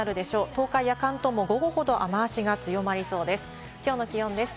東海や関東も午後ほど雨脚が強まりそうです。